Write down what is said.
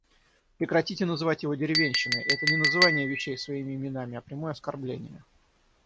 Прекратите называть его деревенщиной! Это не называние вещей своими именами, а прямое оскорбление.